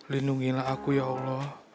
lindungilah aku ya allah